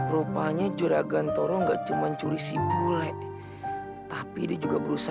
rupanya curagan toro enggak cuman curi si bule tapi dia juga berusaha